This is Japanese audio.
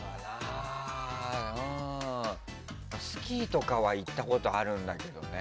スキーとかは行ったことあるんだけどね。